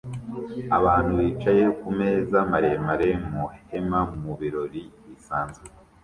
Abantu bicaye kumeza maremare mu ihema mubirori bisanzwe